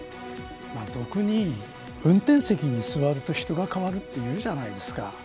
俗に運転席に座ると人が変わるというじゃないですか。